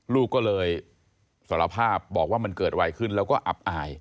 ลูกก็เลยสารภาพบอกว่ามันเกิดอะไรขึ้นแล้วก็อับอาย